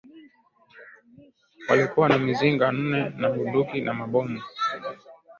Walikuwa na mizinga nne na bunduki na mabomu